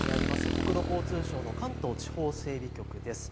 国土交通省の関東地方整備局です。